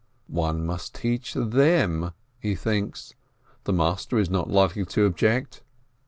One must teach them, he thinks. The master is not likely to object.